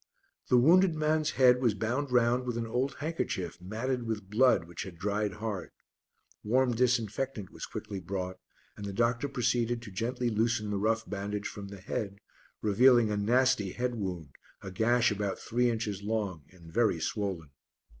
The wounded man's head was bound round with an old handkerchief, matted with blood which had dried hard. Warm disinfectant was quickly brought and the doctor proceeded to gently loosen the rough bandage from the head, revealing a nasty head wound, a gash about three inches long and very swollen.